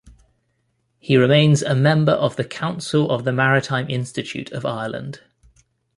He remains a member of the Council of the Maritime Institute of Ireland.